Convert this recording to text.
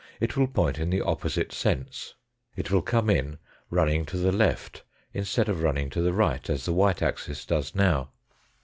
It will point in the opposite sense. It will come in running to the left instead of running to the right as the white axis does now.